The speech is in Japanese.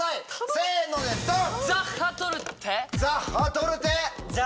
せのでドン！